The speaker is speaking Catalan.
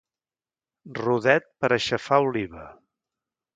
Rodet per a aixafar oliva.